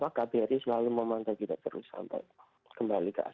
kbri selalu memantau kita terus sampai kembali ke asn